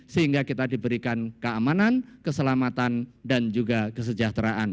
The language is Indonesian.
sehingga kita diberikan keamanan keselamatan dan juga kesejahteraan